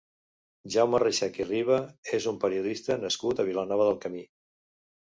Jaume Reixach i Riba és un periodista nascut a Vilanova del Camí.